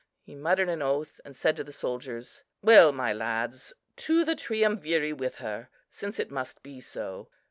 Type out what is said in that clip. He muttered an oath, and said to the soldiers, "Well, my lads, to the Triumviri with her, since it must be so.